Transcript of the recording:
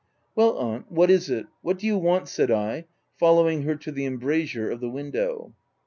"■Well aunt, what is it? What do you want ?" said I, following her to the embrasure of the window.